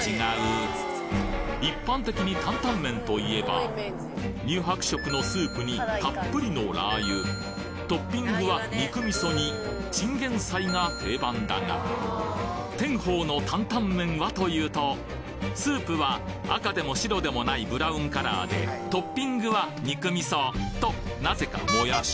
一般的にタンタンメンと言えば乳白色のスープにたっぷりのラー油トッピングは肉味噌にチンゲン菜が定番だがスープは赤でも白でもないブラウンカラーでトッピングは肉味噌となぜかもやし